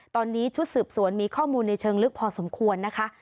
ตอนนี้ชุดสืบสวนมีข้อมูลในเชิงลึกพอสมควรนะคะ